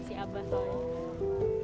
si abah tau